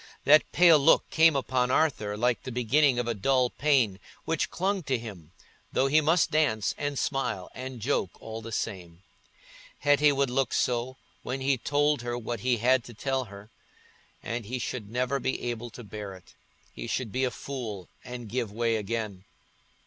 That pale look came upon Arthur like the beginning of a dull pain, which clung to him, though he must dance and smile and joke all the same. Hetty would look so, when he told her what he had to tell her; and he should never be able to bear it—he should be a fool and give way again.